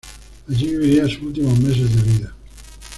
Allí viviría sus últimos meses de vida.